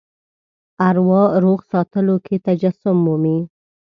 اروا روغ ساتلو کې تجسم مومي.